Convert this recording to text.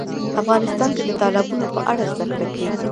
افغانستان کې د تالابونو په اړه زده کړه کېږي.